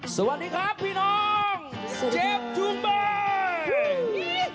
สวัสดีครับพี่น้องเจฟทุ่มเบย์